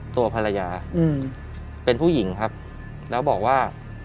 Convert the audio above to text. ตัวภรรยาเป็นผู้หญิงครับแล้วบอกว่า